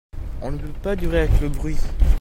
On ne peut pas durer avec le bruit.